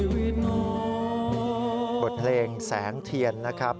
เพลงแสงเทียนนะครับ